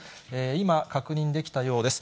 今、確認できたようです。